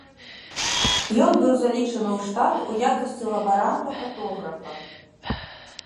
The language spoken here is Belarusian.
Ён быў залічаны ў штат у якасці лабаранта-фатографа.